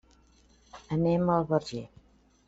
Anem al Verger.